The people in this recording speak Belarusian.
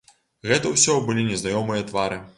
Гэта ўсё былі незнаёмыя твары.